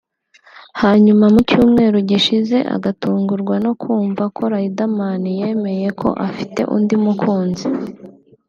hanyuma mu cyumweru gishize agatungurwa no kumva ko Riderman yemeye ko afite undi mukunzi